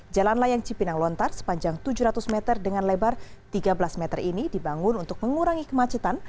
jalan layang cipinang lontar sepanjang tujuh ratus meter dengan lebar tiga belas meter ini dibangun untuk mengurangi kemacetan